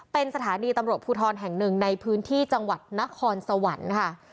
เป็นสถานีตำรวจภูทรแห่งหนึ่งในพื้นที่จังหวัดนครสวรรค์ค่ะ